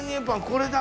これだ！